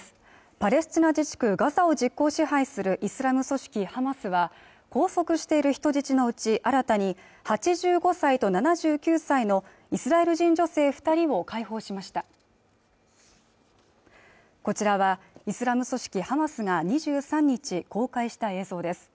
パレスチナ自治区ガザを実効支配するイスラム組織ハマスは拘束している人質のうち新たに８５歳と７９歳のイスラエル人女性二人を解放しましたこちらはイスラム組織ハマスが２３日公開した映像です